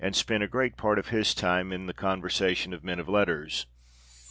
spent a great part of his time in the conversation of men of letters.